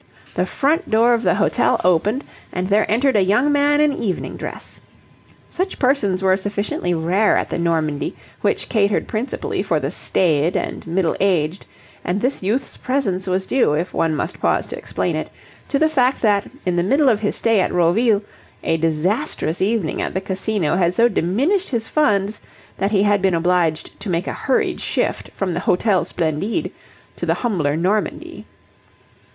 The front door of the hotel opened, and there entered a young man in evening dress. Such persons were sufficiently rare at the Normandie, which catered principally for the staid and middle aged, and this youth's presence was due, if one must pause to explain it, to the fact that, in the middle of his stay at Roville, a disastrous evening at the Casino had so diminished his funds that he had been obliged to make a hurried shift from the Hotel Splendide to the humbler Normandie.